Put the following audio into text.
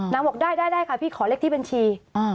น้องบอกได้ค่ะพี่ขอเล็กที่บัญชี